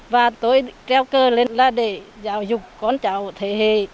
và tôi treo cờ lên là để giáo dục con cháu thế hệ